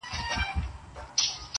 ډېر پخوا په ولايت کي د تاتارو.!